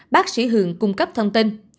bác sĩ hường cung cấp thông tin